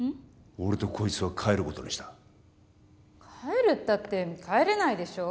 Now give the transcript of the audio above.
俺とこいつは帰ることにした帰るったって帰れないでしょ？